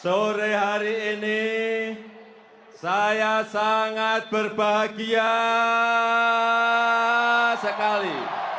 sore hari ini saya sangat berbahagia sekali